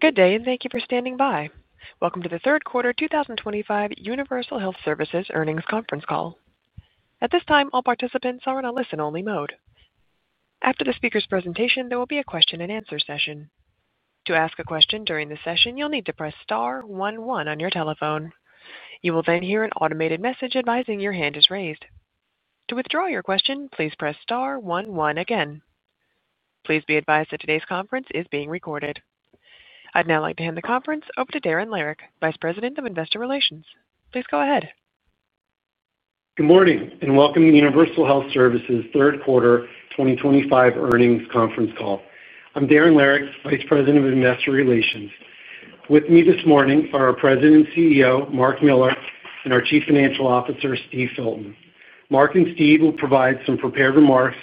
Good day and thank you for standing by. Welcome to the third quarter 2025 Universal Health Services earnings conference call. At this time, all participants are in a listen-only mode. After the speaker's presentation, there will be a question and answer session. To ask a question during the session, you'll need to press star one one on your telephone. You will then hear an automated message advising your hand is raised. To withdraw your question, please press star one one again. Please be advised that today's conference is being recorded. I'd now like to hand the conference over to Darren Lehrich, Vice President of Investor Relations. Please go ahead. Good morning and welcome to the Universal Health Services third quarter 2025 earnings conference call. I'm Darren Lehrich, Vice President of Investor Relations. With me this morning are our President and CEO, Marc Miller, and our Chief Financial Officer, Steve Filton. Marc and Steve will provide some prepared remarks,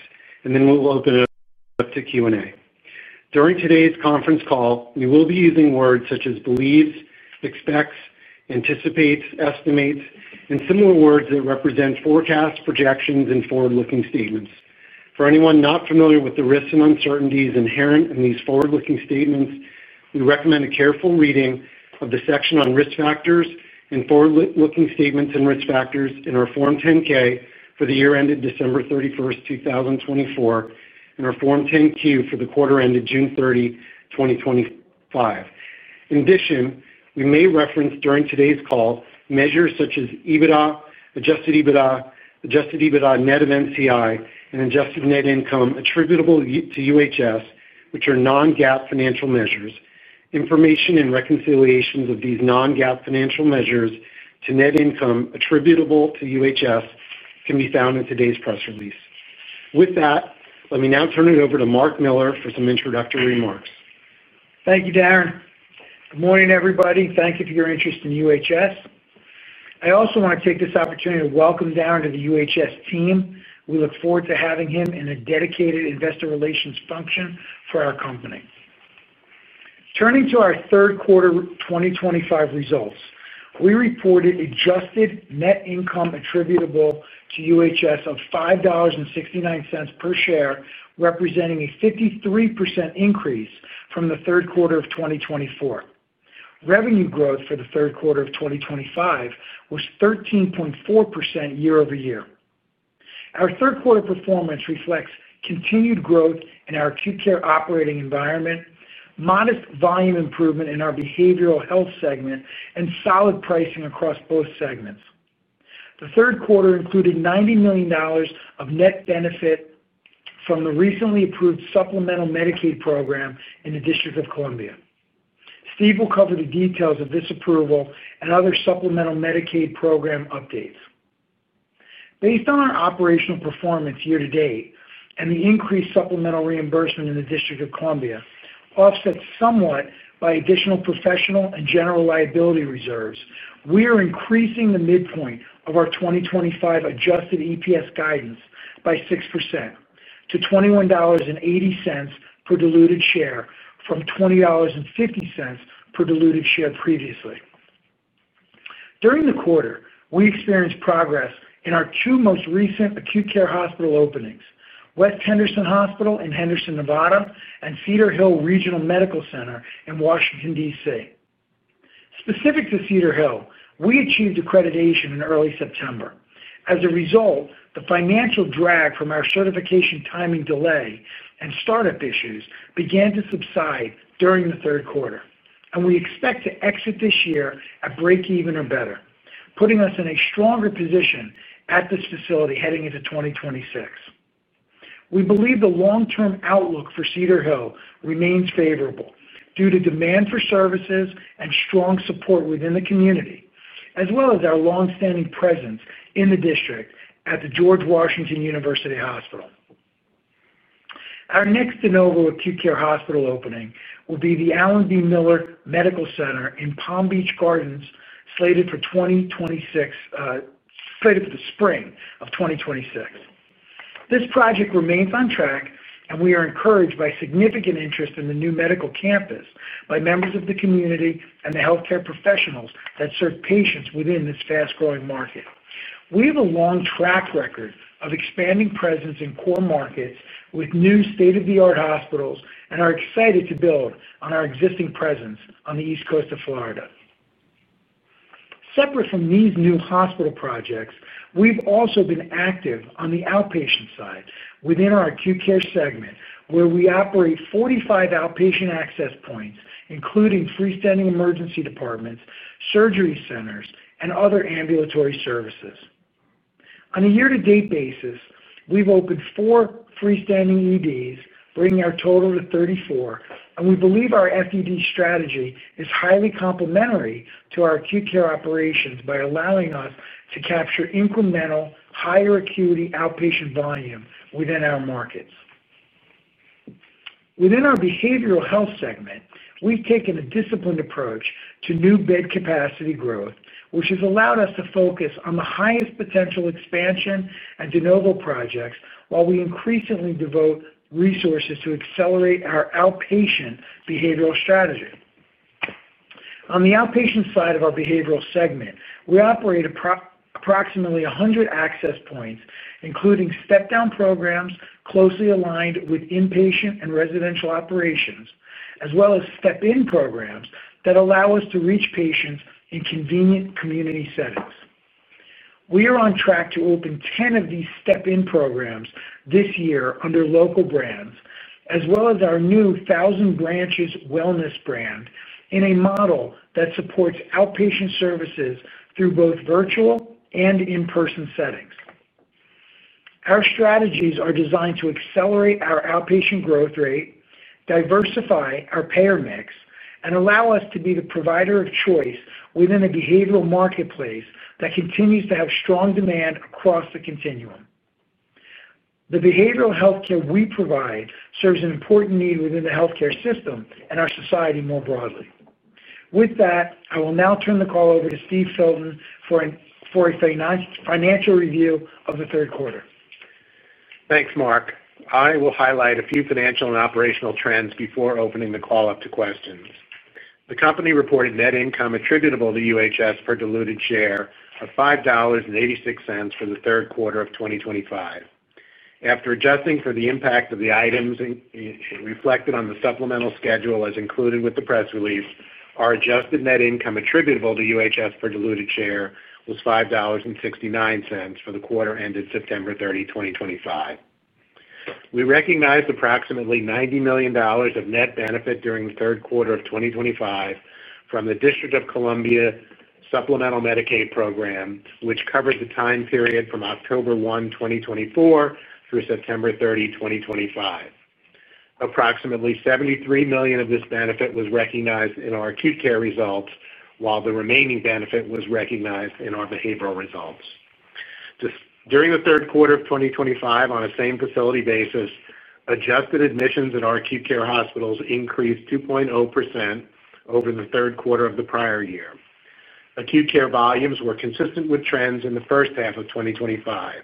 and then we'll open it up to Q&A. During today's conference call, we will be using words such as believes, expects, anticipates, estimates, and similar words that represent forecasts, projections, and forward-looking statements. For anyone not familiar with the risks and uncertainties inherent in these forward-looking statements, we recommend a careful reading of the section on risk factors and forward-looking statements and risk factors in our Form 10-K for the year ended December 31st, 2024, and our Form 10-Q for the quarter ended June 30, 2025. In addition, we may reference during today's call measures such as EBITDA, adjusted EBITDA, adjusted EBITDA net of NCI, and adjusted net income attributable to UHS, which are non-GAAP financial measures. Information and reconciliations of these non-GAAP financial measures to net income attributable to UHS can be found in today's press release. With that, let me now turn it over to Marc Miller for some introductory remarks. Thank you, Darren. Good morning, everybody. Thank you for your interest in UHS. I also want to take this opportunity to welcome Darren to the UHS team. We look forward to having him in a dedicated investor relations function for our company. Turning to our third quarter 2025 results, we reported adjusted net income attributable to UHS of $5.69 per share, representing a 53% increase from the third quarter of 2024. Revenue growth for the third quarter of 2025 was 13.4% year-over-year. Our third quarter performance reflects continued growth in our acute care operating environment, modest volume improvement in our behavioral health segment, and solid pricing across both segments. The third quarter included $90 million of net benefit from the recently approved supplemental Medicaid program in the District of Columbia. Steve will cover the details of this approval and other supplemental Medicaid program updates. Based on our operational performance year to date and the increased supplemental reimbursement in the District of Columbia, offset somewhat by additional professional and general liability reserves, we are increasing the midpoint of our 2025 adjusted EPS guidance by 6% to $21.80 per diluted share from $20.50 per diluted share previously. During the quarter, we experienced progress in our two most recent acute care hospital openings: West Henderson Hospital in Henderson, Nevada, and Cedar Hill Regional Medical Center in Washington, DC. Specific to Cedar Hill, we achieved accreditation in early September. As a result, the financial drag from our certification timing delay and startup issues began to subside during the third quarter, and we expect to exit this year at breakeven or better, putting us in a stronger position at this facility heading into 2026. We believe the long-term outlook for Cedar Hill remains favorable due to demand for services and strong support within the community, as well as our longstanding presence in the district at the George Washington University Hospital. Our next de novo acute care hospital opening will be the Alan D. Miller Medical Center in Palm Beach Gardens, slated for the spring of 2026. This project remains on track, and we are encouraged by significant interest in the new medical campus by members of the community and the healthcare professionals that serve patients within this fast-growing market. We have a long track record of expanding presence in core markets with new state-of-the-art hospitals and are excited to build on our existing presence on the East Coast of Florida. Separate from these new hospital projects, we've also been active on the outpatient side within our acute care segment, where we operate 45 outpatient access points, including freestanding emergency departments, surgery centers, and other ambulatory services. On a year-to-date basis, we've opened four freestanding EDs, bringing our total to 34, and we believe our FED strategy is highly complementary to our acute care operations by allowing us to capture incremental, higher acuity outpatient volume within our markets. Within our behavioral health segment, we've taken a disciplined approach to new bed capacity growth, which has allowed us to focus on the highest potential expansion and de novo projects while we increasingly devote resources to accelerate our outpatient behavioral strategy. On the outpatient side of our behavioral segment, we operate approximately 100 access points, including step-down programs closely aligned with inpatient and residential operations, as well as step-in programs that allow us to reach patients in convenient community settings. We are on track to open 10 of these step-in programs this year under local brands, as well as our new Thousand Branches Wellness brand in a model that supports outpatient services through both virtual and in-person settings. Our strategies are designed to accelerate our outpatient growth rate, diversify our payer mix, and allow us to be the provider of choice within a behavioral marketplace that continues to have strong demand across the continuum. The behavioral healthcare we provide serves an important need within the healthcare system and our society more broadly. With that, I will now turn the call over to Steve Filton for a financial review of the third quarter. Thanks, Marc. I will highlight a few financial and operational trends before opening the call up to questions. The company reported net income attributable to UHS per diluted share of $5.86 for the third quarter of 2025. After adjusting for the impact of the items reflected on the supplemental schedule as included with the press release, our adjusted net income attributable to UHS per diluted share was $5.69 for the quarter ended September 30, 2025. We recognize approximately $90 million of net benefit during the third quarter of 2025 from the District of Columbia Supplemental Medicaid Program, which covers the time period from October 1, 2024 through September 30, 2025. Approximately $73 million of this benefit was recognized in our acute care results, while the remaining benefit was recognized in our behavioral results. During the third quarter of 2025, on a same facility basis, adjusted admissions at our acute care hospitals increased 2.0% over the third quarter of the prior year. Acute care volumes were consistent with trends in the first half of 2025,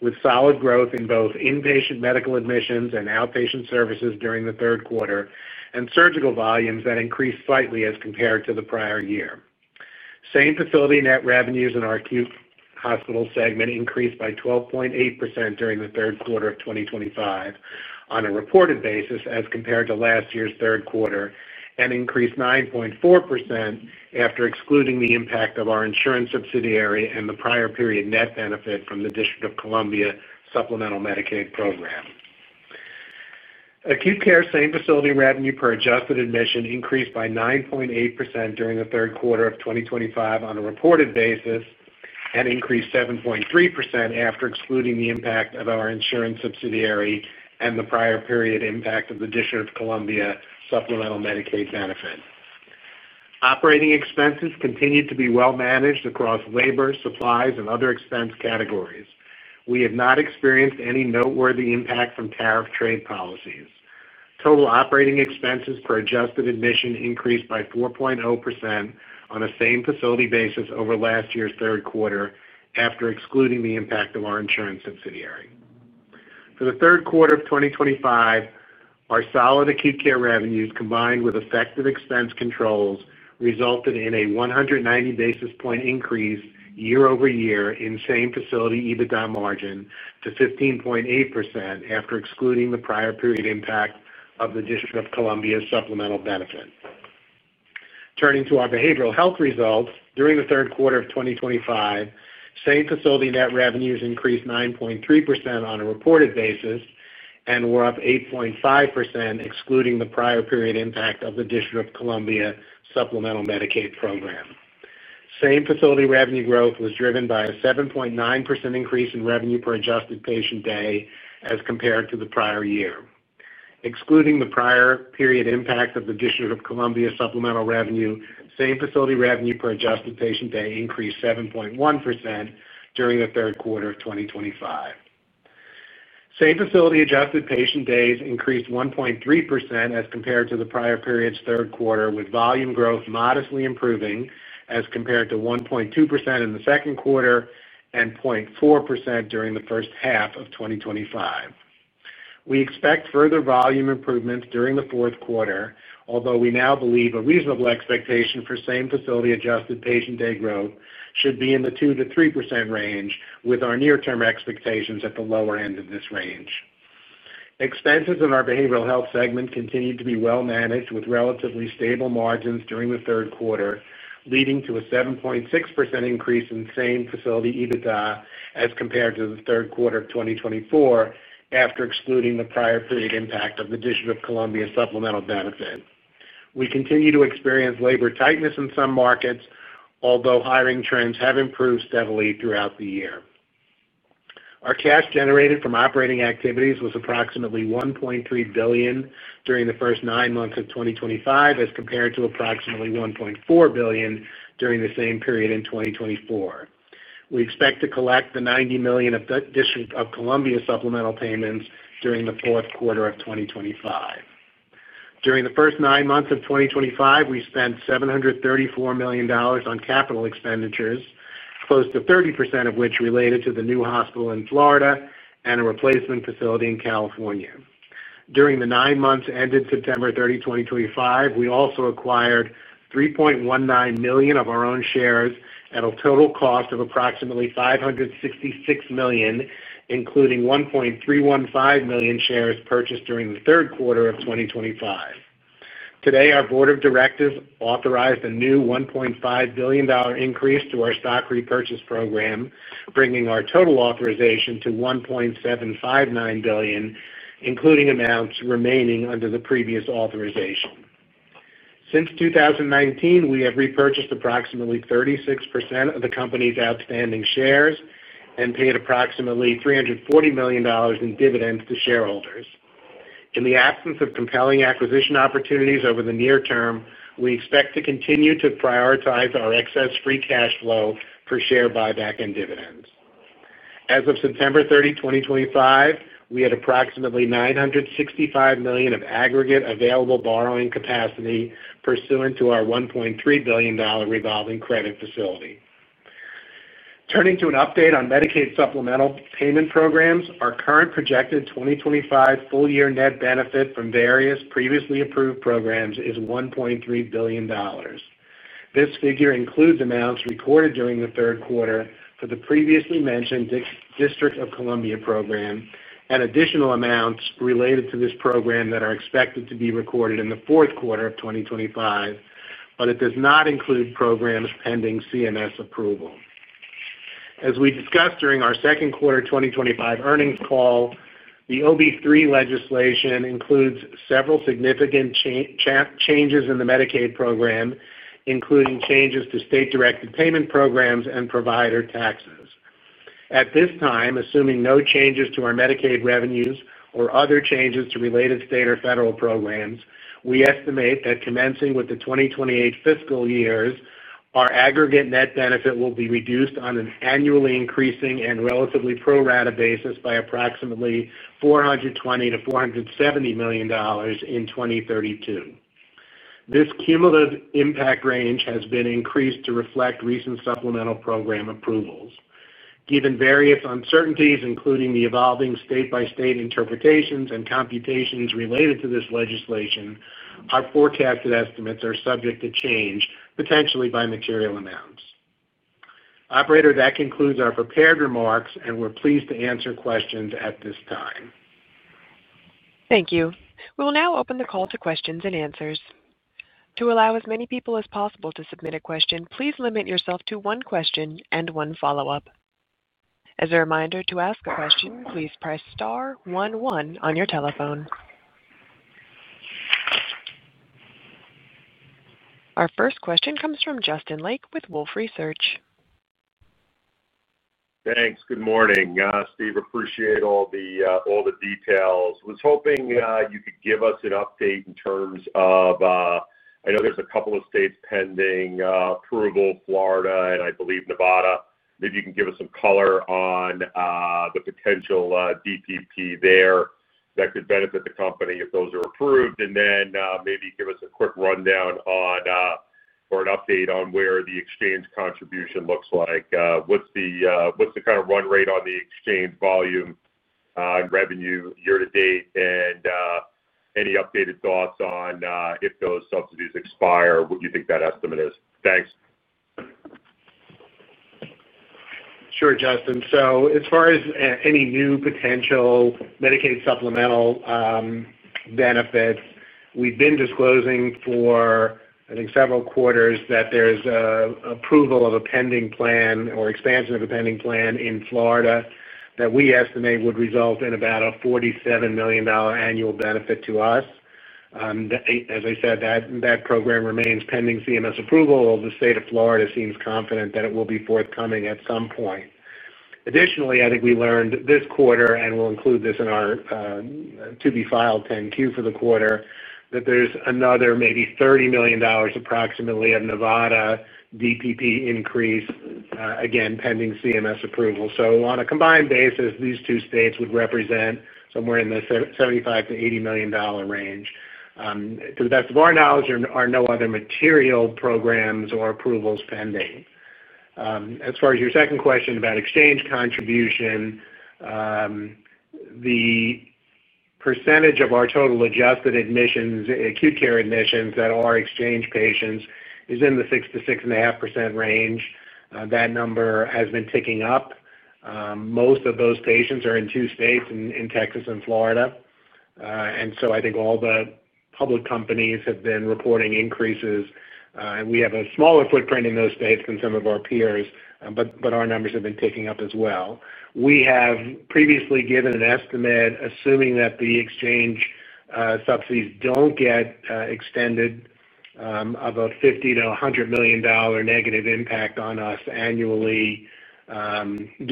with solid growth in both inpatient medical admissions and outpatient services during the third quarter, and surgical volumes that increased slightly as compared to the prior year. Same facility net revenues in our acute hospital segment increased by 12.8% during the third quarter of 2025 on a reported basis as compared to last year's third quarter and increased 9.4% after excluding the impact of our insurance subsidiary and the prior period net benefit from the District of Columbia Supplemental Medicaid Program. Acute care same facility revenue per adjusted admission increased by 9.8% during the third quarter of 2025 on a reported basis and increased 7.3% after excluding the impact of our insurance subsidiary and the prior period impact of the District of Columbia Supplemental Medicaid benefit. Operating expenses continued to be well managed across labor, supplies, and other expense categories. We have not experienced any noteworthy impact from tariff trade policies. Total operating expenses per adjusted admission increased by 4.0% on a same facility basis over last year's third quarter after excluding the impact of our insurance subsidiary. For the third quarter of 2025, our solid acute care revenues combined with effective expense controls resulted in a 190 basis point increase year-over-year in same-facility EBITDA margin to 15.8% after excluding the prior period impact of the District of Columbia Supplemental Benefit. Turning to our behavioral health results, during the third quarter of 2025, same-facility net revenues increased 9.3% on a reported basis and were up 8.5% excluding the prior period impact of the District of Columbia Supplemental Medicaid Program. Same-facility revenue growth was driven by a 7.9% increase in revenue per adjusted patient day as compared to the prior year. Excluding the prior period impact of the District of Columbia Supplemental Revenue, same-facility revenue per adjusted patient day increased 7.1% during the third quarter of 2025. Same-facility adjusted patient days increased 1.3% as compared to the prior period's third quarter, with volume growth modestly improving as compared to 1.2% in the second quarter and 0.4% during the first half of 2025. We expect further volume improvements during the fourth quarter, although we now believe a reasonable expectation for same-facility adjusted patient day growth should be in the 2%-3% range, with our near-term expectations at the lower end of this range. Expenses in our behavioral health segment continue to be well managed with relatively stable margins during the third quarter, leading to a 7.6% increase in same-facility EBITDA as compared to the third quarter of 2024 after excluding the prior period impact of the District of Columbia Supplemental Benefit. We continue to experience labor tightness in some markets, although hiring trends have improved steadily throughout the year. Our cash generated from operating activities was approximately $1.3 billion during the first nine months of 2025 as compared to approximately $1.4 billion during the same period in 2024. We expect to collect the $90 million of District of Columbia Supplemental payments during the fourth quarter of 2025. During the first nine months of 2025, we spent $734 million on capital expenditures, close to 30% of which related to the new hospital in Florida and a replacement facility in California. During the nine months ended September 30, 2025, we also acquired 3.19 million of our own shares at a total cost of approximately $566 million, including 1.315 million shares purchased during the third quarter of 2025. Today, our Board of Directors authorized a new $1.5 billion increase to our stock repurchase program, bringing our total authorization to $1.759 billion, including amounts remaining under the previous authorization. Since 2019, we have repurchased approximately 36% of the company's outstanding shares and paid approximately $340 million in dividends to shareholders. In the absence of compelling acquisition opportunities over the near term, we expect to continue to prioritize our excess free cash flow for share buyback and dividends. As of September 30, 2025, we had approximately $965 million of aggregate available borrowing capacity pursuant to our $1.3 billion revolving credit facility. Turning to an update on Medicaid supplemental payment programs, our current projected 2025 full-year net benefit from various previously approved programs is $1.3 billion. This figure includes amounts recorded during the third quarter for the previously mentioned District of Columbia program and additional amounts related to this program that are expected to be recorded in the fourth quarter of 2025, but it does not include programs pending CMS approval. As we discussed during our second quarter 2025 earnings call, the OB3 legislation includes several significant changes in the Medicaid program, including changes to state-directed payment programs and provider taxes. At this time, assuming no changes to our Medicaid revenues or other changes to related state or federal programs, we estimate that commencing with the 2028 fiscal years, our aggregate net benefit will be reduced on an annually increasing and relatively pro rata basis by approximately $420 million-$470 million in 2032. This cumulative impact range has been increased to reflect recent supplemental program approvals. Given various uncertainties, including the evolving state-by-state interpretations and computations related to this legislation, our forecasted estimates are subject to change, potentially by material amounts. Operator, that concludes our prepared remarks, and we're pleased to answer questions at this time. Thank you. We will now open the call to questions and answers. To allow as many people as possible to submit a question, please limit yourself to one question and one follow-up. As a reminder, to ask a question, please press star one one on your telephone. Our first question comes from Justin Lake with Wolfe Research. Thanks. Good morning, Steve. Appreciate all the details. I was hoping you could give us an update in terms of, I know there's a couple of states pending approval: Florida and I believe Nevada. Maybe you can give us some color on the potential DPP there that could benefit the company if those are approved, and then maybe give us a quick rundown on or an update on where the exchange contribution looks like. What's the kind of run rate on the exchange volume and revenue year to date? Any updated thoughts on if those subsidies expire, what you think that estimate is? Thanks. Sure, Justin. As far as any new potential Medicaid supplemental benefits, we've been disclosing for, I think, several quarters that there's an approval of a pending plan or expansion of a pending plan in Florida that we estimate would result in about a $47 million annual benefit to us. As I said, that program remains pending CMS approval, while the state of Florida seems confident that it will be forthcoming at some point. Additionally, I think we learned this quarter, and we'll include this in our to-be-filed 10-Q for the quarter, that there's another maybe $30 million approximately of Nevada DPP increase, again, pending CMS approval. On a combined basis, these two states would represent somewhere in the $75 million-$80 million range. To the best of our knowledge, there are no other material programs or approvals pending. As far as your second question about exchange contribution, the percentage of our total adjusted admissions, acute care admissions that are exchange patients, is in the 6%-6.5% range. That number has been ticking up. Most of those patients are in two states, in Texas and Florida. I think all the public companies have been reporting increases, and we have a smaller footprint in those states than some of our peers, but our numbers have been ticking up as well. We have previously given an estimate, assuming that the exchange subsidies don't get extended, of a $50 million-$100 million negative impact on us annually.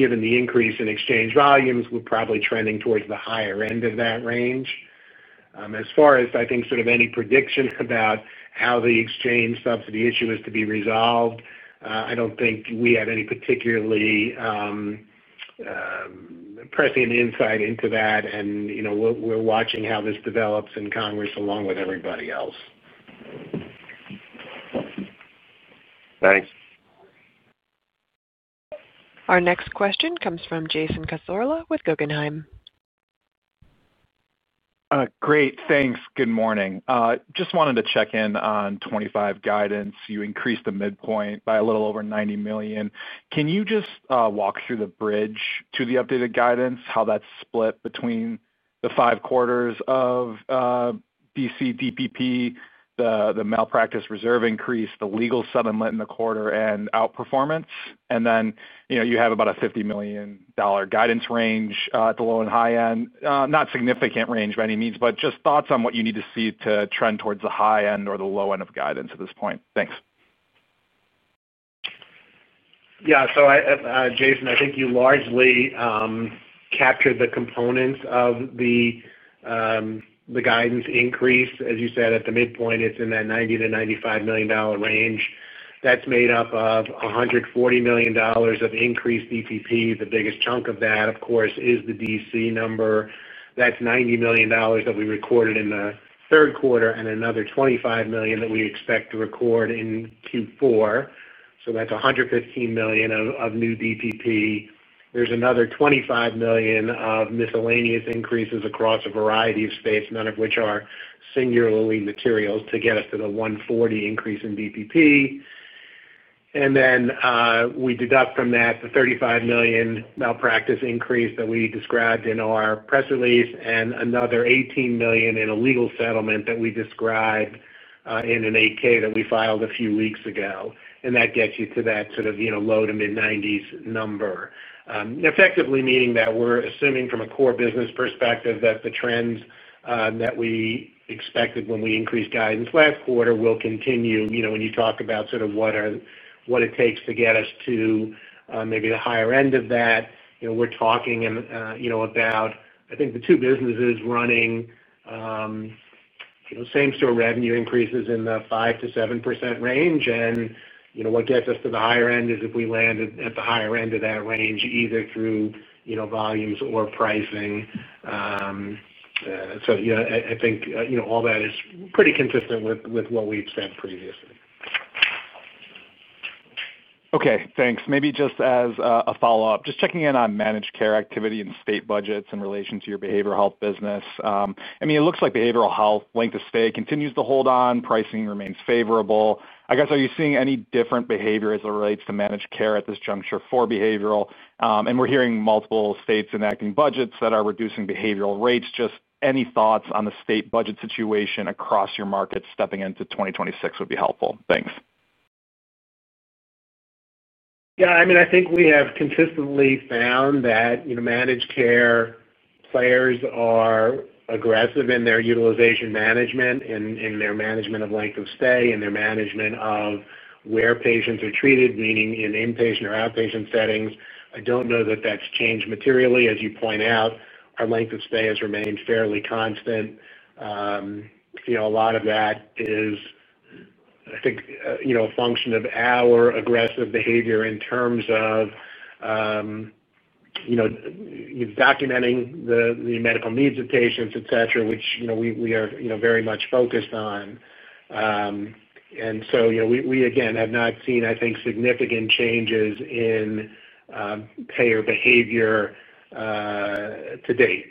Given the increase in exchange volumes, we're probably trending towards the higher end of that range. As far as I think sort of any prediction about how the exchange subsidy issue is to be resolved, I don't think we have any particularly pressing insight into that, and you know we're watching how this develops in Congress along with everybody else. Thanks. Our next question comes from Jason Cassorla with Guggenheim. Great, thanks. Good morning. Just wanted to check in on 2025 guidance. You increased the midpoint by a little over $90 million. Can you just walk through the bridge to the updated guidance, how that's split between the five quarters of BC DPP, the malpractice reserve increase, the legal settlement in the quarter, and outperformance? You have about a $50 million guidance range at the low and high end. Not a significant range by any means, but just thoughts on what you need to see to trend towards the high end or the low end of guidance at this point. Thanks. Yeah. Jason, I think you largely captured the components of the guidance increase. As you said, at the midpoint, it's in that $90 million-$95 million range. That's made up of $140 million of increased DPP. The biggest chunk of that, of course, is the DC number. That's $90 million that we recorded in the third quarter and another $25 million that we expect to record in Q4. That's $115 million of new DPP. There's another $25 million of miscellaneous increases across a variety of states, none of which are singularly material to get us to the $140 million increase in DPP. We deduct from that the $35 million malpractice increase that we described in our press release and another $18 million in a legal settlement that we described in an 8-K that we filed a few weeks ago. That gets you to that sort of low to mid-$90 million number, effectively meaning that we're assuming from a core business perspective that the trends that we expected when we increased guidance last quarter will continue. When you talk about what it takes to get us to maybe the higher end of that, we're talking about the two businesses running same-store revenue increases in the 5%-7% range. What gets us to the higher end is if we land at the higher end of that range either through volumes or pricing. I think all that is pretty consistent with what we've said previously. Okay, thanks. Maybe just as a follow-up, just checking in on managed care activity and state budgets in relation to your behavioral health business. I mean, it looks like behavioral health length of stay continues to hold on. Pricing remains favorable. I guess, are you seeing any different behavior as it relates to managed care at this juncture for behavioral? We're hearing multiple states enacting budgets that are reducing behavioral rates. Any thoughts on the state budget situation across your markets stepping into 2026 would be helpful. Thanks. Yeah, I mean, I think we have consistently found that managed care players are aggressive in their utilization management, in their management of length of stay, and in their management of where patients are treated, meaning in inpatient or outpatient settings. I don't know that that's changed materially. As you point out, our length of stay has remained fairly constant. A lot of that is, I think, a function of our aggressive behavior in terms of documenting the medical needs of patients, etc., which we are very much focused on. We, again, have not seen, I think, significant changes in payer behavior to date.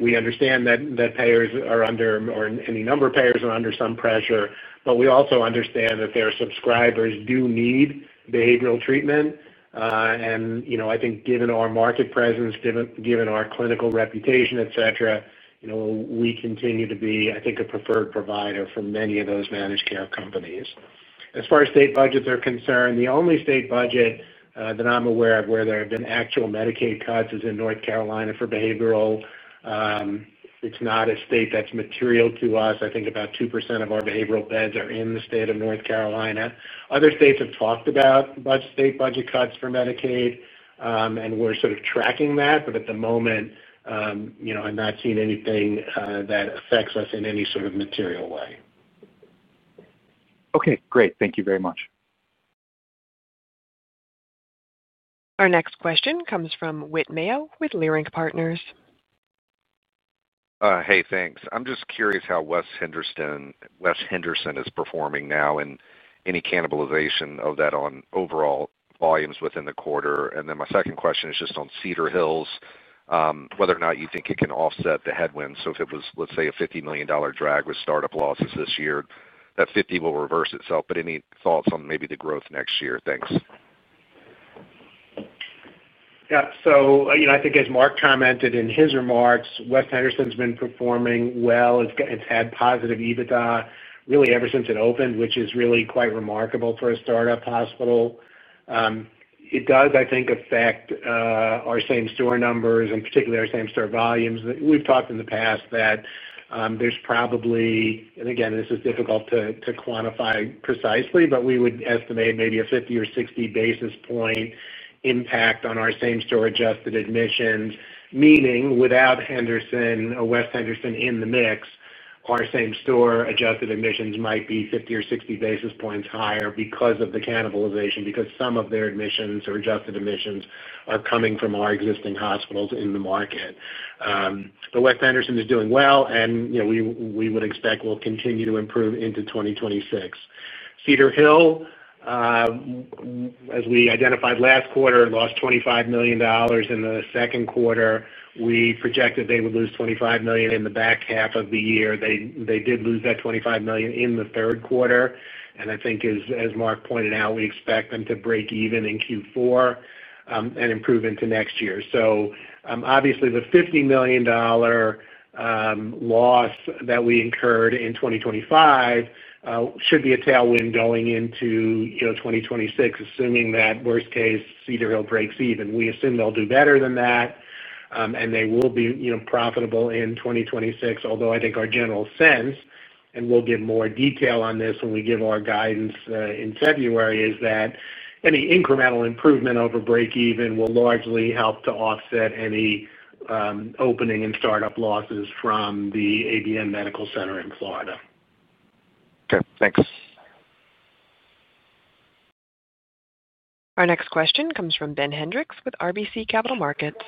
We understand that payers are under, or any number of payers are under some pressure, but we also understand that their subscribers do need behavioral treatment. I think given our market presence, given our clinical reputation, etc., we continue to be, I think, a preferred provider for many of those managed care companies. As far as state budgets are concerned, the only state budget that I'm aware of where there have been actual Medicaid cuts is in North Carolina for behavioral. It's not a state that's material to us. I think about 2% of our behavioral beds are in the state of North Carolina. Other states have talked about state budget cuts for Medicaid, and we're sort of tracking that. At the moment, I'm not seeing anything that affects us in any sort of material way. Okay, great. Thank you very much. Our next question comes from Whit Mayo with Leerink Partners. Hey, thanks. I'm just curious how West Henderson is performing now and any cannibalization of that on overall volumes within the quarter. My second question is just on Cedar Hill, whether or not you think it can offset the headwind. If it was, let's say, a $50 million drag with startup losses this year, that $50 million will reverse itself. Any thoughts on maybe the growth next year? Thanks. Yeah. I think as Marc commented in his remarks, West Henderson's been performing well. It's had positive EBITDA really ever since it opened, which is really quite remarkable for a startup hospital. It does, I think, affect our same-store numbers and particularly our same-store volumes. We've talked in the past that there's probably, and again, this is difficult to quantify precisely, but we would estimate maybe a 50 or 60 basis point impact on our same-store adjusted admissions. Meaning, without a West Henderson in the mix, our same-store adjusted admissions might be 50 or 60 basis points higher because of the cannibalization, because some of their admissions or adjusted admissions are coming from our existing hospitals in the market. West Henderson is doing well, and we would expect we'll continue to improve into 2026. Cedar Hill, as we identified last quarter, lost $25 million in the second quarter. We projected they would lose $25 million in the back half of the year. They did lose that $25 million in the third quarter. I think, as Marc pointed out, we expect them to break even in Q4 and improve into next year. Obviously, the $50 million loss that we incurred in 2025 should be a tailwind going into 2026, assuming that worst case, Cedar breaks even. We assume they'll do better than that and they will be profitable in 2026, although I think our general sense, and we'll give more detail on this when we give our guidance in February, is that any incremental improvement over break-even will largely help to offset any opening and startup losses from the ADM Medical Center in Florida. Okay, thanks. Our next question comes from Ben Hendrix with RBC Capital Markets.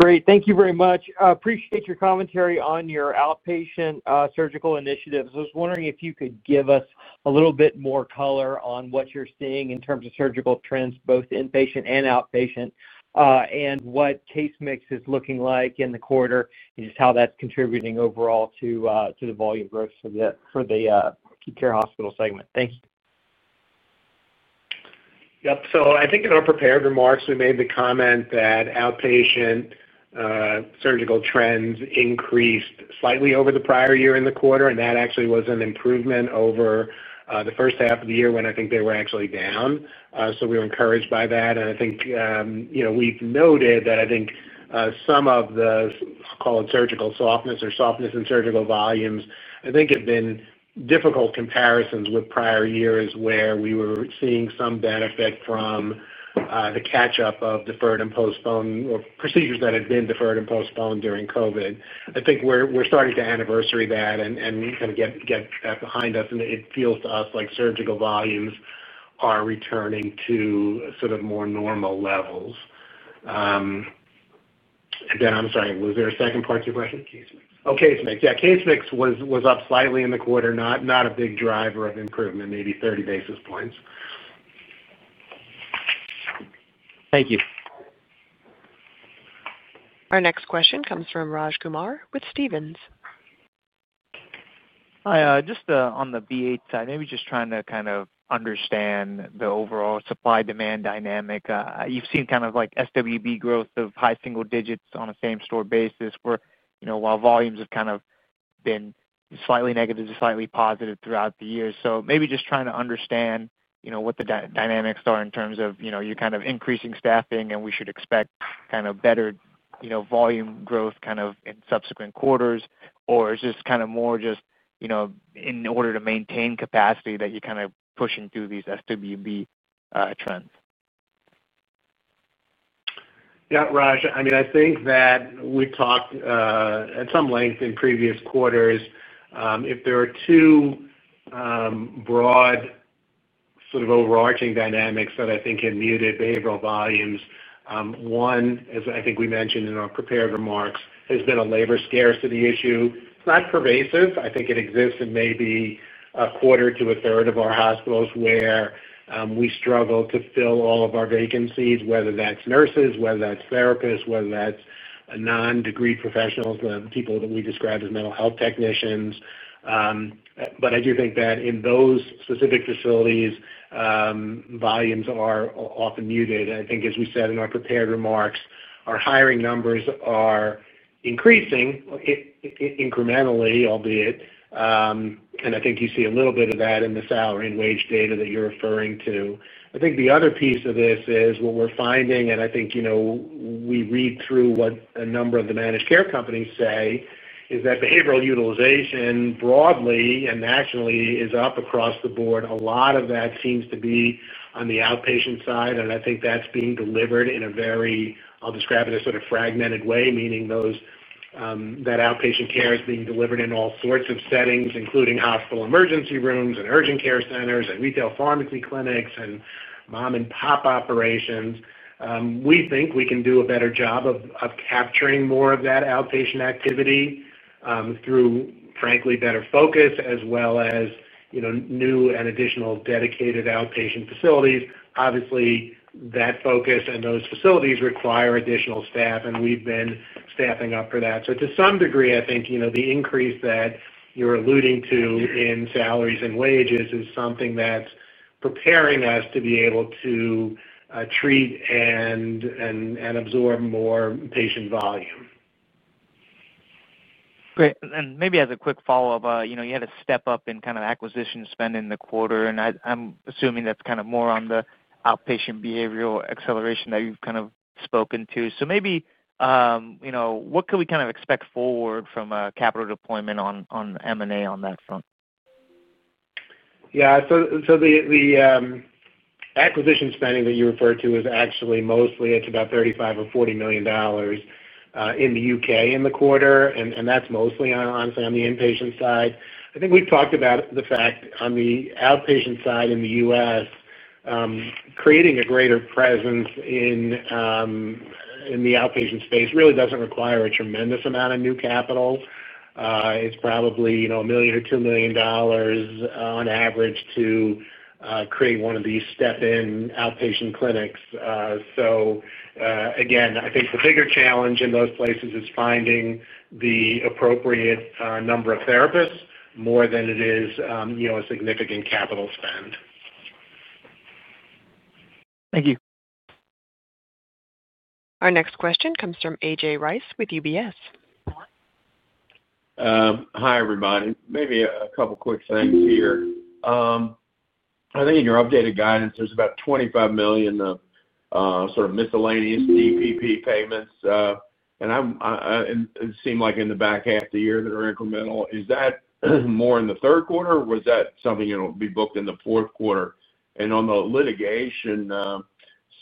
Great. Thank you very much. Appreciate your commentary on your outpatient surgical initiatives. I was wondering if you could give us a little bit more color on what you're seeing in terms of surgical trends, both inpatient and outpatient, and what case mix is looking like in the quarter and just how that's contributing overall to the volume growth for the acute care hospital segment. Thank you. I think in our prepared remarks, we made the comment that outpatient surgical trends increased slightly over the prior year in the quarter, and that actually was an improvement over the first half of the year when I think they were actually down. We were encouraged by that. I think we've noted that some of the, I'll call it surgical softness or softness in surgical volumes, have been difficult comparisons with prior years where we were seeing some benefit from the catch-up of deferred and postponed procedures that had been deferred and postponed during COVID. I think we're starting to anniversary that and kind of get that behind us, and it feels to us like surgical volumes are returning to sort of more normal levels. I'm sorry, was there a second part to your question? Case mix. Oh, case mix. Yeah, case mix was up slightly in the quarter, not a big driver of improvement, maybe 30 basis points. Thank you. Our next question comes from Raj Kumar with Stephens. Hi. Just on the BA side, maybe just trying to kind of understand the overall supply-demand dynamic. You've seen kind of like SWB growth of high single digits on a same-store basis, where volumes have kind of been slightly negative to slightly positive throughout the year. Maybe just trying to understand what the dynamics are in terms of you're kind of increasing staffing and we should expect kind of better volume growth in subsequent quarters, or is this kind of more just in order to maintain capacity that you're kind of pushing through these SWB trends? Yeah, Raj. I mean, I think that we talked at some length in previous quarters. If there are two broad sort of overarching dynamics that I think have muted behavioral volumes, one, as I think we mentioned in our prepared remarks, has been a labor scarcity issue. It's not pervasive. I think it exists in maybe a quarter to a third of our hospitals where we struggle to fill all of our vacancies, whether that's nurses, whether that's therapists, whether that's a non-degree professional, the people that we describe as mental health technicians. I do think that in those specific facilities, volumes are often muted. I think, as we said in our prepared remarks, our hiring numbers are increasing incrementally, albeit. I think you see a little bit of that in the salary and wage data that you're referring to. The other piece of this is what we're finding, and I think you know we read through what a number of the managed care companies say, is that behavioral utilization broadly and nationally is up across the board. A lot of that seems to be on the outpatient side, and I think that's being delivered in a very, I'll describe it as sort of fragmented way, meaning that outpatient care is being delivered in all sorts of settings, including hospital emergency rooms and urgent care centers and retail pharmacy clinics and mom-and-pop operations. We think we can do a better job of capturing more of that outpatient activity through, frankly, better focus as well as new and additional dedicated outpatient facilities. Obviously, that focus and those facilities require additional staff, and we've been staffing up for that. To some degree, I think the increase that you're alluding to in salaries and wages is something that's preparing us to be able to treat and absorb more patient volume. Great. Maybe as a quick follow-up, you had a step up in kind of acquisition spend in the quarter, and I'm assuming that's kind of more on the outpatient behavioral acceleration that you've kind of spoken to. What can we kind of expect forward from a capital deployment on M&A on that front? The acquisition spending that you referred to is actually mostly, it's about $35 million or $40 million in the U.K. in the quarter, and that's mostly, honestly, on the inpatient side. I think we've talked about the fact on the outpatient side in the U.S., creating a greater presence in the outpatient space really doesn't require a tremendous amount of new capital. It's probably $1 million or $2 million on average to create one of these step-in outpatient clinics. I think the bigger challenge in those places is finding the appropriate number of therapists more than it is a significant capital spend. Thank you. Our next question comes from AJ Rice with UBS. Hi, everybody. Maybe a couple of quick things here. I think in your updated guidance, there's about $25 million of sort of miscellaneous DPP payments, a`hing that will be booked in the fourth quarter? On the litigation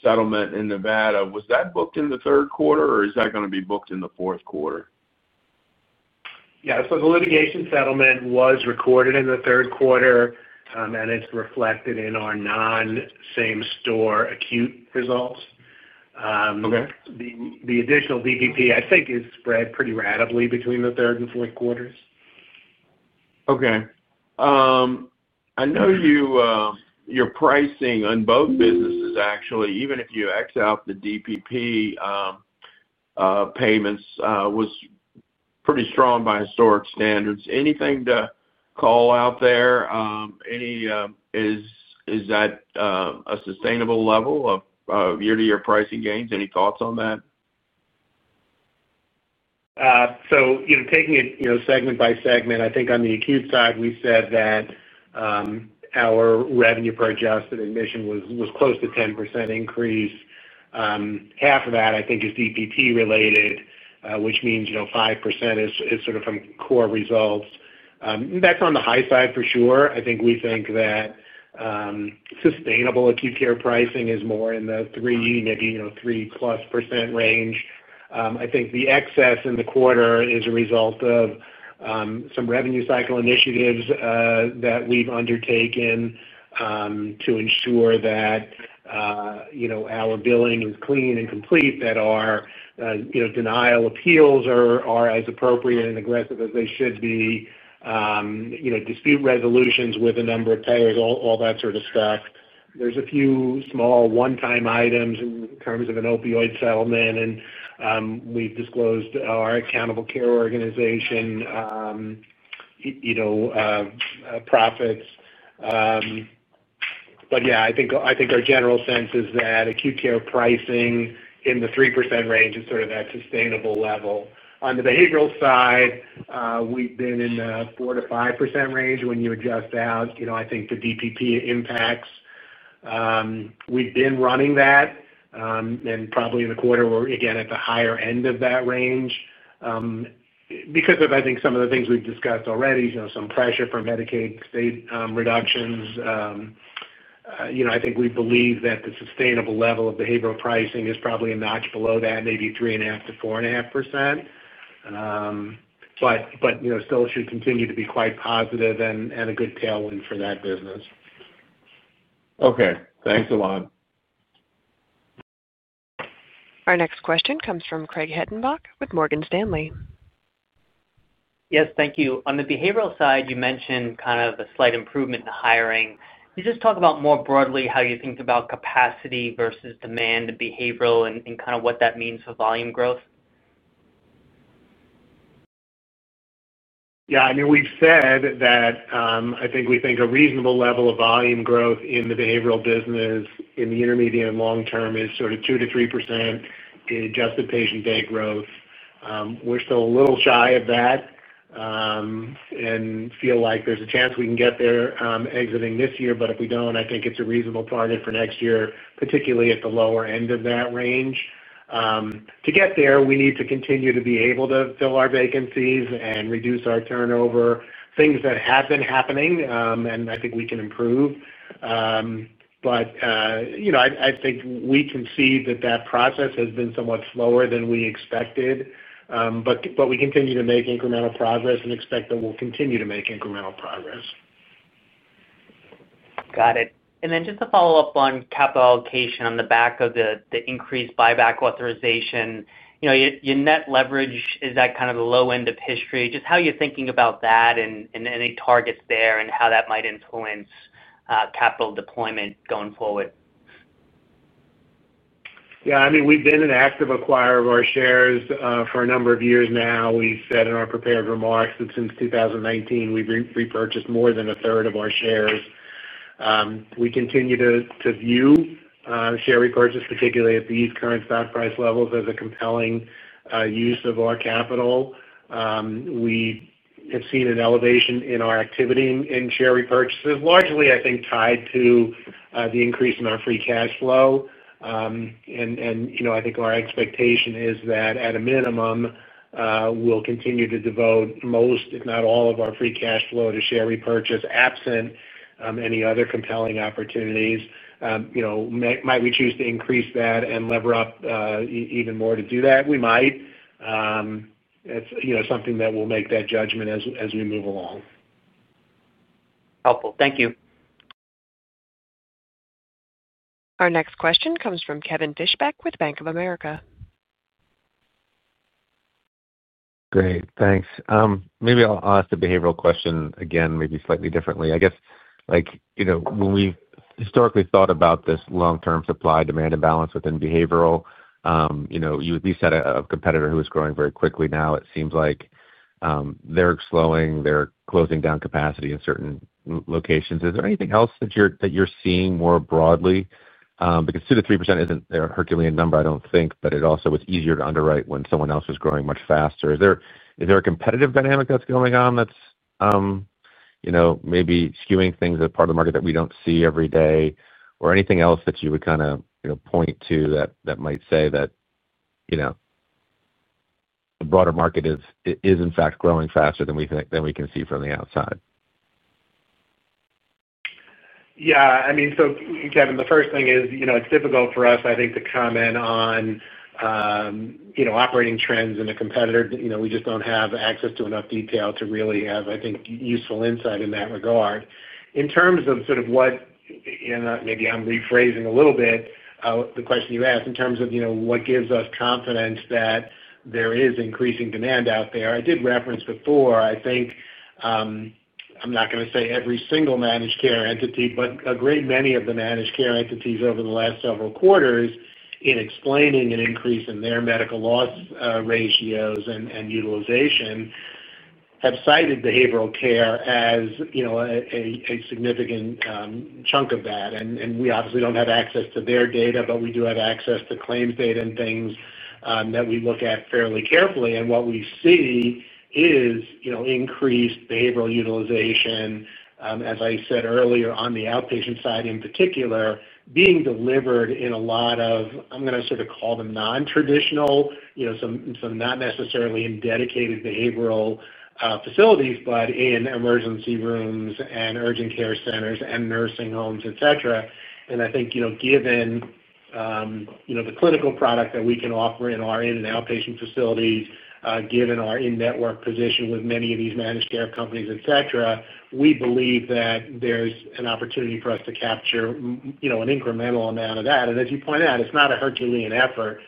settlement in Nevada, was that booked in the third quarter, or is that going to be booked in the fourth quarter? The litigation settlement was recorded in the third quarter, and it's reflected in our non-same-store acute results. The additional DPP, I think, is spread pretty rapidly between the third and fourth quarters. Okay. I know your pricing on both businesses, actually, even if you X out the DPP payments, was pretty strong by historic standards. Anything to call out there? Is that a sustainable level of year-to-year pricing gains? Any thoughts on that? You know, taking it segment by segment, I think on the acute side, we said that our revenue per adjusted admission was close to 10% increase. Half of that, I think, is DPP related, which means 5% is sort of from core results. That's on the high side for sure. I think we think that sustainable acute care pricing is more in the 3%, maybe 3+% range. I think the excess in the quarter is a result of some revenue cycle initiatives that we've undertaken to ensure that our billing is clean and complete, that our denial appeals are as appropriate and aggressive as they should be, dispute resolutions with a number of payers, all that sort of stuff. There are a few small one-time items in terms of an opioid settlement, and we've disclosed our accountable care organization profits. I think our general sense is that acute care pricing in the 3% range is sort of that sustainable level. On the behavioral side, we've been in the 4%-5% range when you adjust out. I think the DPP impacts, we've been running that, and probably in the quarter, we're again at the higher end of that range because of, I think, some of the things we've discussed already, some pressure from Medicaid state reductions. I think we believe that the sustainable level of behavioral pricing is probably a notch below that, maybe 3.5%-4.5%, but still should continue to be quite positive and a good tailwind for that business. Okay, thanks a lot. Our next question comes from Craig Hettenbach with Morgan Stanley. Yes, thank you. On the behavioral side, you mentioned kind of a slight improvement in the hiring. Can you just talk about more broadly how you think about capacity versus demand in behavioral and what that means for volume growth? Yeah. I mean, we've said that I think we think a reasonable level of volume growth in the behavioral business in the intermediate and long term is sort of 2%-3% in adjusted patient day growth. We're still a little shy of that and feel like there's a chance we can get there exiting this year. If we don't, I think it's a reasonable target for next year, particularly at the lower end of that range. To get there, we need to continue to be able to fill our vacancies and reduce our turnover, things that have been happening, and I think we can improve. I think we can see that process has been somewhat slower than we expected, but we continue to make incremental progress and expect that we'll continue to make incremental progress. Got it. Just to follow up on capital allocation on the back of the increased buyback authorization, your net leverage, is that kind of the low end of history? Just how you're thinking about that and any targets there and how that might influence capital deployment going forward. Yeah. I mean, we've been an active acquirer of our shares for a number of years now. We said in our prepared remarks that since 2019, we've repurchased more than a third of our shares. We continue to view share repurchase, particularly at these current stock price levels, as a compelling use of our capital. We have seen an elevation in our activity in share repurchases, largely, I think, tied to the increase in our free cash flow. I think our expectation is that at a minimum, we'll continue to devote most, if not all, of our free cash flow to share repurchase absent any other compelling opportunities. You know, might we choose to increase that and lever up even more to do that? We might. It's something that we'll make that judgment as we move along. Helpful. Thank you. Our next question comes from Kevin Fischbeck with Bank of America. Great. Thanks. Maybe I'll ask the behavioral question again, maybe slightly differently. I guess, like, you know, when we've historically thought about this long-term supply-demand imbalance within behavioral, you know, you at least had a competitor who was growing very quickly. Now it seems like they're slowing, they're closing down capacity in certain locations. Is there anything else that you're seeing more broadly? Because 2%-3% isn't a Herculean number, I don't think, but it also was easier to underwrite when someone else was growing much faster. Is there a competitive dynamic that's going on that's maybe skewing things as part of the market that we don't see every day? Anything else that you would kind of point to that might say that the broader market is, in fact, growing faster than we can see from the outside? Yeah. I mean, Kevin, the first thing is, you know, it's difficult for us, I think, to comment on operating trends in a competitor. We just don't have access to enough detail to really have, I think, useful insight in that regard. In terms of sort of what, and maybe I'm rephrasing a little bit the question you asked, in terms of what gives us confidence that there is increasing demand out there, I did reference before, I think, I'm not going to say every single managed care entity, but a great many of the managed care entities over the last several quarters in explaining an increase in their medical loss ratios and utilization have cited behavioral health care as a significant chunk of that. We obviously don't have access to their data, but we do have access to claims data and things that we look at fairly carefully. What we see is increased behavioral health utilization, as I said earlier, on the outpatient side in particular, being delivered in a lot of, I'm going to sort of call them non-traditional, some not necessarily in dedicated behavioral health facilities, but in emergency rooms and urgent care centers and nursing homes, etc. I think, given the clinical product that we can offer in our inpatient and outpatient facilities, given our in-network position with many of these managed care companies, etc., we believe that there's an opportunity for us to capture an incremental amount of that. As you point out, it's not a Herculean effort.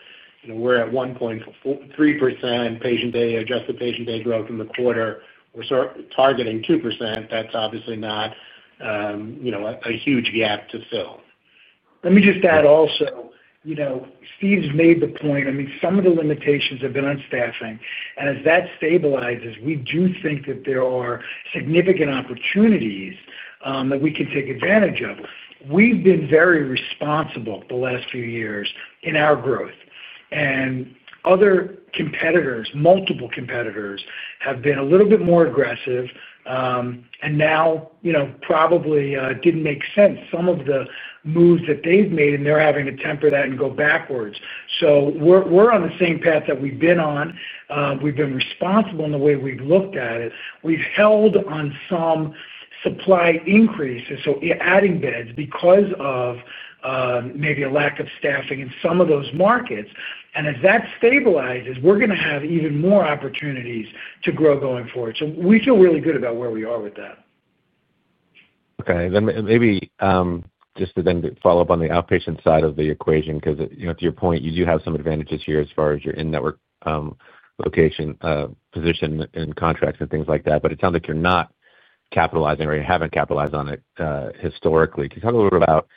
We're at 1.3% patient day, adjusted patient day growth in the quarter. We're sort of targeting 2%. That's obviously not a huge gap to fill. Let me just add also, you know, Steve's made the point, I mean, some of the limitations have been on staffing. As that stabilizes, we do think that there are significant opportunities that we can take advantage of. We've been very responsible the last few years in our growth. Other competitors, multiple competitors, have been a little bit more aggressive, and now, you know, probably, it didn't make sense, some of the moves that they've made, and they're having to temper that and go backwards. We're on the same path that we've been on. We've been responsible in the way we've looked at it. We've held on some supply increases, so adding beds because of maybe a lack of staffing in some of those markets. As that stabilizes, we're going to have even more opportunities to grow going forward. We feel really good about where we are with that. Okay. Maybe just to then follow up on the outpatient side of the equation, because you know, to your point, you do have some advantages here as far as your in-network location, position, and contracts, and things like that. It sounds like you're not capitalizing or you haven't capitalized on it historically. Can you talk a little bit about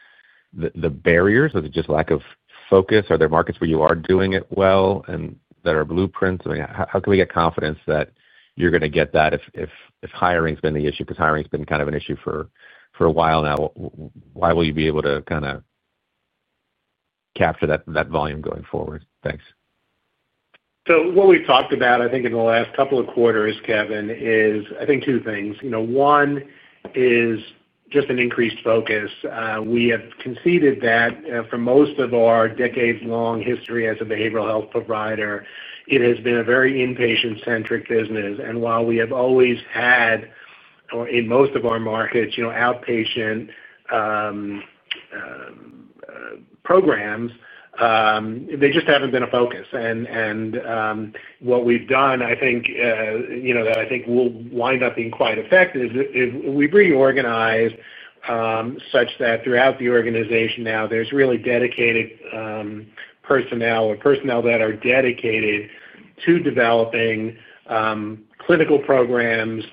the barriers? Was it just lack of focus? Are there markets where you are doing it well and that are blueprints? How can we get confidence that you're going to get that if hiring's been the issue? Hiring's been kind of an issue for a while now. Why will you be able to kind of capture that volume going forward? Thanks. What we've talked about, I think, in the last couple of quarters, Kevin, is, I think, two things. One is just an increased focus. We have conceded that for most of our decades-long history as a behavioral health provider, it has been a very inpatient-centric business. While we have always had, or in most of our markets, outpatient programs, they just haven't been a focus. What we've done, I think, that I think will wind up being quite effective is we reorganized such that throughout the organization now, there's really dedicated personnel or personnel that are dedicated to developing clinical programs,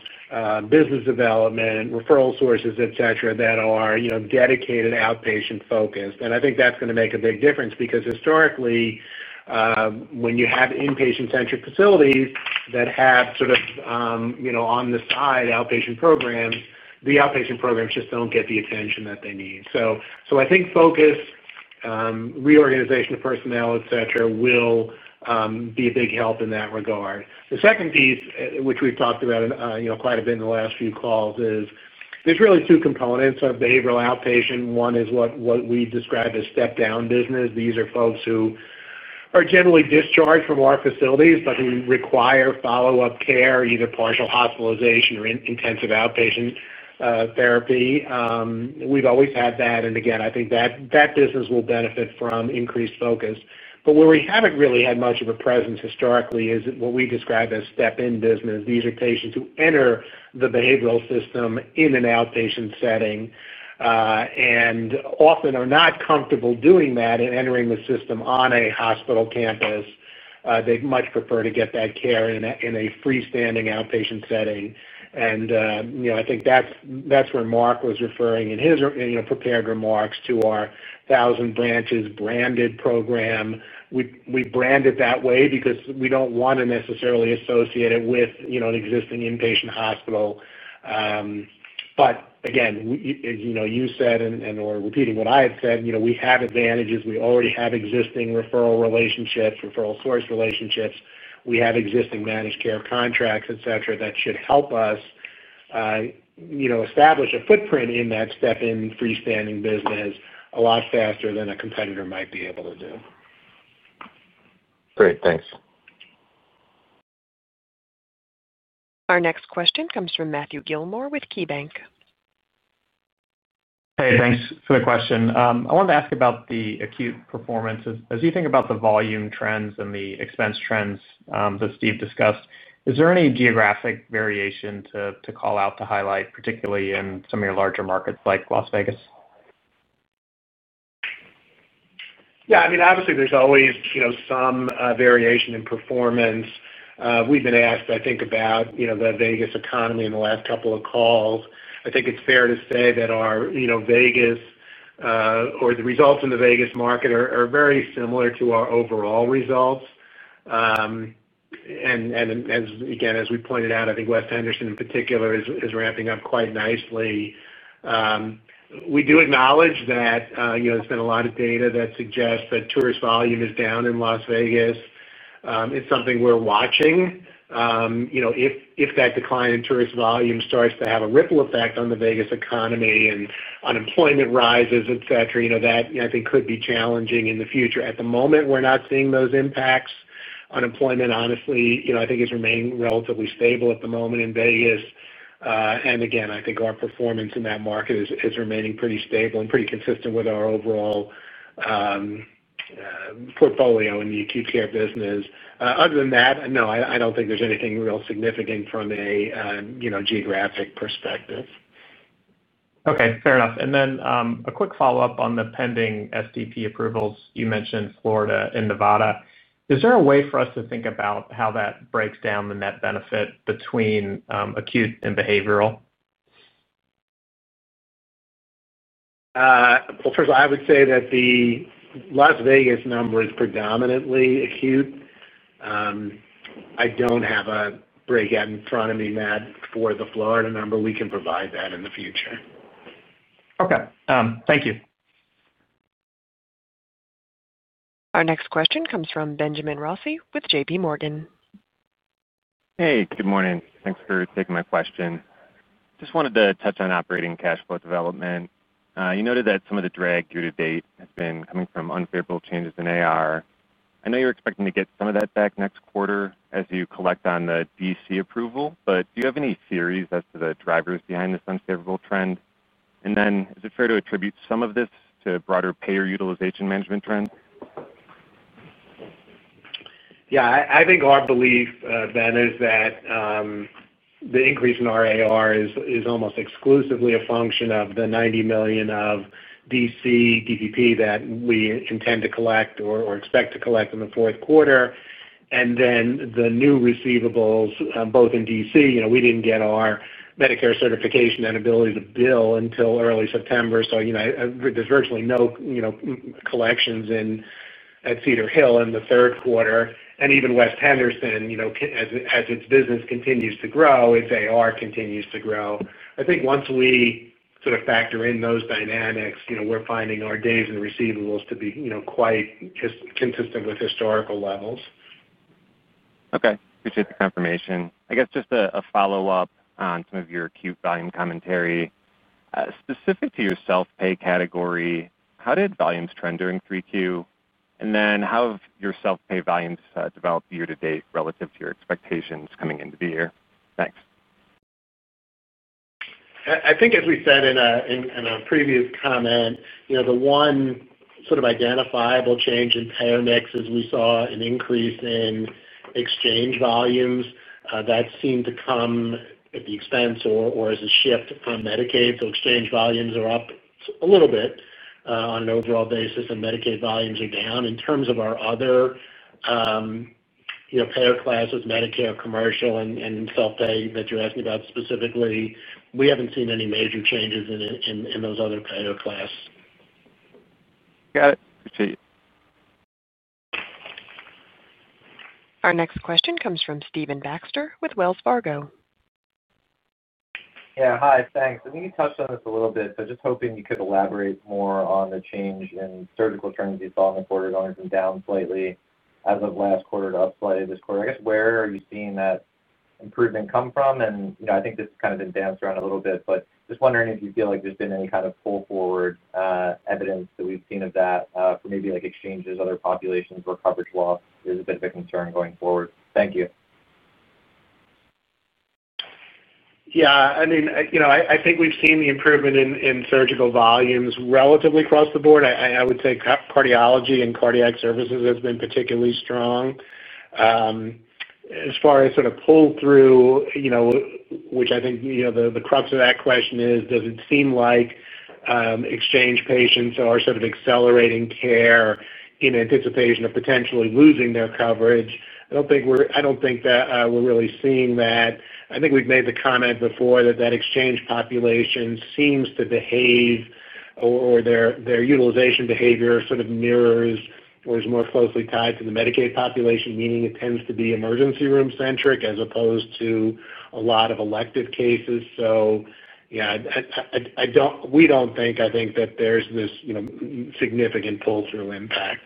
business development, referral sources, etc., that are dedicated outpatient-focused. I think that's going to make a big difference because historically, when you have inpatient-centric facilities that have sort of, on the side, outpatient programs, the outpatient programs just don't get the attention that they need. I think focus, reorganization of personnel, etc., will be a big help in that regard. The second piece, which we've talked about quite a bit in the last few calls, is there's really two components of behavioral outpatient. One is what we describe as step-down business. These are folks who are generally discharged from our facilities, but who require follow-up care, either partial hospitalization or intensive outpatient therapy. We've always had that. I think that business will benefit from increased focus. Where we haven't really had much of a presence historically is what we describe as step-in business. These are patients who enter the behavioral system in an outpatient setting and often are not comfortable doing that and entering the system on a hospital campus. They'd much prefer to get that care in a freestanding outpatient setting. I think that's where Marc was referring in his prepared remarks to our Thousand Branches branded program. We branded that way because we don't want to necessarily associate it with an existing inpatient hospital. As you said, and repeating what I had said, we have advantages. We already have existing referral relationships, referral source relationships. We have existing managed care contracts, etc., that should help us establish a footprint in that step-in freestanding business a lot faster than a competitor might be able to do. Great. Thanks. Our next question comes from Matthew Gillmor with KeyBank. Hey, thanks for the question. I wanted to ask about the acute performance. As you think about the volume trends and the expense trends that Steve discussed, is there any geographic variation to call out to highlight, particularly in some of your larger markets like Las Vegas? Yeah. I mean, obviously, there's always some variation in performance. We've been asked, I think, about the Vegas economy in the last couple of calls. I think it's fair to say that our Vegas or the results in the Vegas market are very similar to our overall results. Again, as we pointed out, I think West Henderson in particular is ramping up quite nicely. We do acknowledge that there's been a lot of data that suggests that tourist volume is down in Las Vegas. It's something we're watching. If that decline in tourist volume starts to have a ripple effect on the Vegas economy and unemployment rises, etc., that, I think, could be challenging in the future. At the moment, we're not seeing those impacts. Unemployment, honestly, I think is remaining relatively stable at the moment in Vegas. Again, I think our performance in that market is remaining pretty stable and pretty consistent with our overall portfolio in the acute care business. Other than that, no, I don't think there's anything real significant from a geographic perspective. Okay. Fair enough. A quick follow-up on the pending SDP approvals. You mentioned Florida and Nevada. Is there a way for us to think about how that breaks down the net benefit between acute and behavioral? First, I would say that the Las Vegas number is predominantly acute. I don't have a breakout in front of me for the Florida number. We can provide that in the future. Okay, thank you. Our next question comes from Benjamin Rossi with JPMorgan. Hey, good morning. Thanks for taking my question. I just wanted to touch on operating cash flow development. You noted that some of the drag due to date has been coming from unfavorable changes in AR. I know you're expecting to get some of that back next quarter as you collect on the DC approval, but do you have any theories as to the drivers behind this unfavorable trend? Is it fair to attribute some of this to broader payer utilization management trends? Yeah. I think our belief, Ben, is that the increase in our AR is almost exclusively a function of the $90 million of DC DPP that we intend to collect or expect to collect in the fourth quarter. The new receivables, both in DC, you know, we didn't get our Medicare certification and ability to bill until early September, so there's virtually no collections in at Cedar Hill in the third quarter. Even West Henderson, as its business continues to grow, its AR continues to grow. I think once we sort of factor in those dynamics, we're finding our days and receivables to be quite consistent with historical levels. Okay. Appreciate the confirmation. I guess just a follow-up on some of your acute volume commentary. Specific to your self-pay category, how did volumes trend during 3Q? How have your self-pay volumes developed year to date relative to your expectations coming into the year? Thanks. I think, as we said in a previous comment, the one sort of identifiable change in payer mix is we saw an increase in exchange volumes that seemed to come at the expense or as a shift on Medicaid. Exchange volumes are up a little bit on an overall basis, and Medicaid volumes are down. In terms of our other payer classes, Medicare, commercial, and self-pay that you're asking about specifically, we haven't seen any major changes in those other payer classes. Got it. Appreciate it. Our next question comes from Stephen Baxter with Wells Fargo. Yeah. Hi. Thanks. I think you touched on this a little bit, but just hoping you could elaborate more on the change in surgical trends you saw in the quarter, going from down slightly as of last quarter to up slightly this quarter. I guess, where are you seeing that improvement come from? I think this has kind of been danced around a little bit, but just wondering if you feel like there's been any kind of pull forward evidence that we've seen of that for maybe like exchanges, other populations where coverage loss is a bit of a concern going forward. Thank you. Yeah. I mean, I think we've seen the improvement in surgical volumes relatively across the board. I would say cardiology and cardiac services have been particularly strong. As far as sort of pull through, which I think, the crux of that question is, does it seem like exchange patients are sort of accelerating care in anticipation of potentially losing their coverage? I don't think we're really seeing that. I think we've made the comment before that that exchange population seems to behave, or their utilization behavior sort of mirrors or is more closely tied to the Medicaid population, meaning it tends to be emergency room-centric as opposed to a lot of elective cases. Yeah, we don't think, I think, that there's this significant pull-through impact.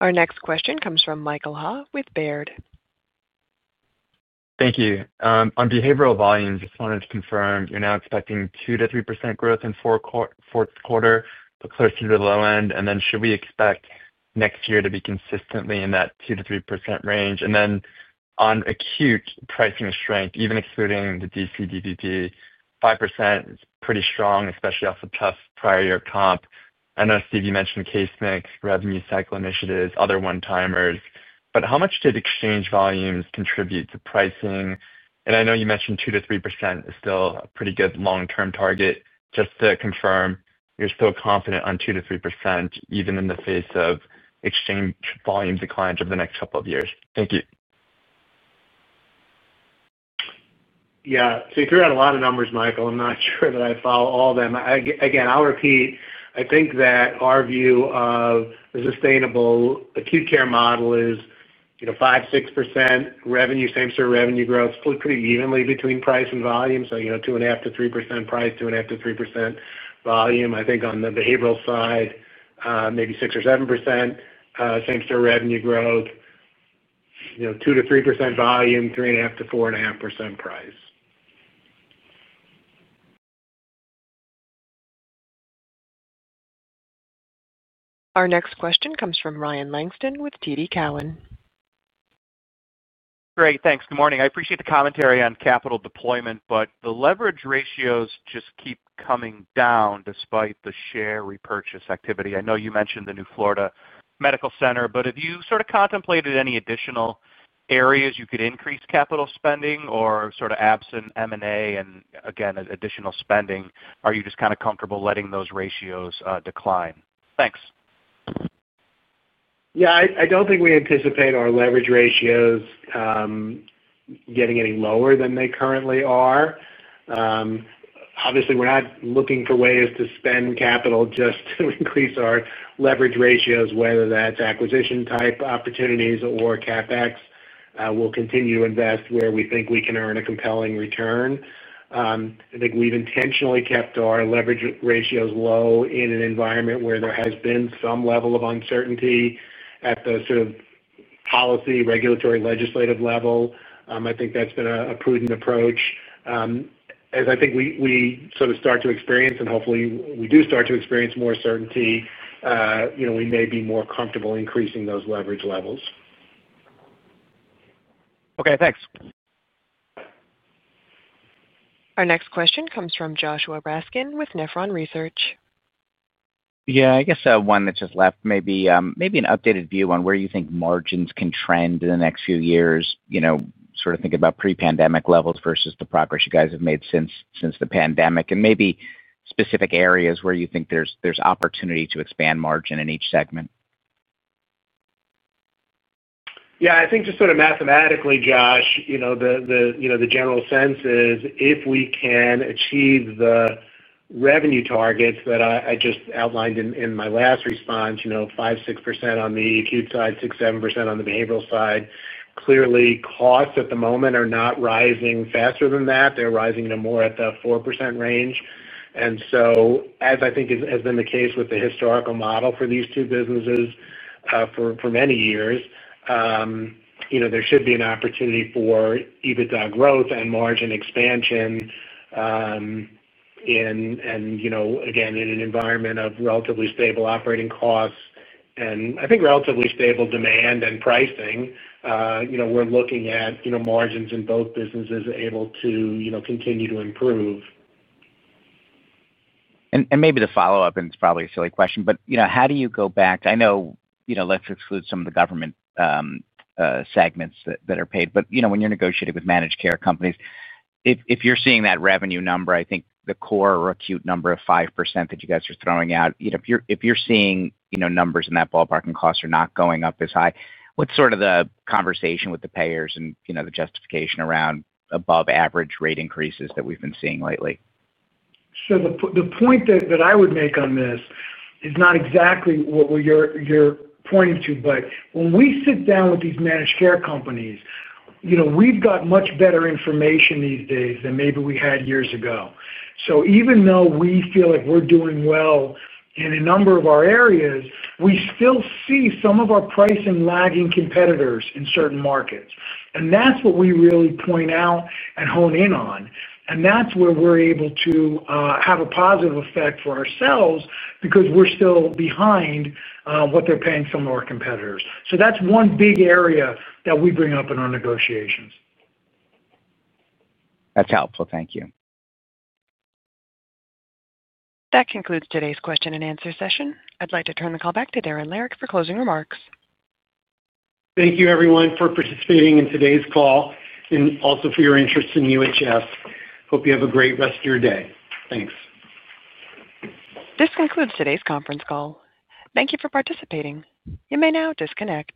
Our next question comes from Michael Ha with Baird. Thank you. On behavioral volumes, I just wanted to confirm you're now expecting 2-3% growth in fourth quarter to clear some of the low end. Should we expect next year to be consistently in that 2%-3% range? On acute pricing strength, even excluding the DC DPP, 5% is pretty strong, especially off the tough prior year comp. I know, Steve, you mentioned case mix, revenue cycle initiatives, other one-timers. How much did exchange volumes contribute to pricing? I know you mentioned 2%-3% is still a pretty good long-term target. Just to confirm, you're still confident on 2%-3%, even in the face of exchange volume declines over the next couple of years? Thank you. Yeah. You threw out a lot of numbers, Michael. I'm not sure that I follow all of them. Again, I'll repeat. I think that our view of the sustainable acute care model is, you know, 5%-6% revenue, same-store revenue growth split pretty evenly between price and volume. You know, 2.5%-3% price, 2.5%-3% volume. I think on the behavioral side, maybe 6% or 7% same-store revenue growth, you know, 2%-3% volume, 3.5%-4.5% price. Our next question comes from Ryan Langston with TD Cowen. Great. Thanks. Good morning. I appreciate the commentary on capital deployment, but the leverage ratios just keep coming down despite the share repurchase activity. I know you mentioned the new Florida Medical Center, but have you sort of contemplated any additional areas you could increase capital spending or sort of absent M&A and, again, additional spending? Are you just kind of comfortable letting those ratios decline? Thanks. Yeah. I don't think we anticipate our leverage ratios getting any lower than they currently are. Obviously, we're not looking for ways to spend capital just to increase our leverage ratios, whether that's acquisition-type opportunities or CapEx. We'll continue to invest where we think we can earn a compelling return. I think we've intentionally kept our leverage ratios low in an environment where there has been some level of uncertainty at the policy, regulatory, legislative level. I think that's been a prudent approach. As I think we start to experience, and hopefully we do start to experience more certainty, you know, we may be more comfortable increasing those leverage levels. Okay. Thanks. Our next question comes from Joshua Raskin with Nephron Research. I guess one that just left, maybe an updated view on where you think margins can trend in the next few years, you know, sort of thinking about pre-pandemic levels versus the progress you guys have made since the pandemic, and maybe specific areas where you think there's opportunity to expand margin in each segment. Yeah. I think just sort of mathematically, Josh, you know, the general sense is if we can achieve the revenue targets that I just outlined in my last response, you know, 5%-6% on the acute side, 6%-7% on the behavioral side, clearly costs at the moment are not rising faster than that. They're rising to more at the 4% range. As I think has been the case with the historical model for these two businesses for many years, you know, there should be an opportunity for EBITDA growth and margin expansion. In an environment of relatively stable operating costs and I think relatively stable demand and pricing, you know, we're looking at margins in both businesses able to continue to improve. Maybe the follow-up, and it's probably a silly question, but you know, how do you go back to, I know, you know, let's exclude some of the government segments that are paid, but you know, when you're negotiating with managed care companies, if you're seeing that revenue number, I think the core or acute number of 5% that you guys are throwing out, you know, if you're seeing, you know, numbers in that ballpark and costs are not going up as high, what's sort of the conversation with the payers and the justification around above-average rate increases that we've been seeing lately? The point that I would make on this is not exactly what you're pointing to, but when we sit down with these managed care companies, we've got much better information these days than maybe we had years ago. Even though we feel like we're doing well in a number of our areas, we still see some of our pricing lagging competitors in certain markets. That's what we really point out and hone in on, and that's where we're able to have a positive effect for ourselves because we're still behind what they're paying some of our competitors. That's one big area that we bring up in our negotiations. That's helpful. Thank you. That concludes today's question and answer session. I'd like to turn the call back to Darren Lehrich for closing remarks. Thank you, everyone, for participating in today's call and also for your interest in UHS. Hope you have a great rest of your day. Thanks. This concludes today's conference call. Thank you for participating. You may now disconnect.